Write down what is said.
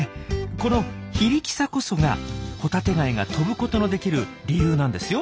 この非力さこそがホタテガイが跳ぶことのできる理由なんですよ。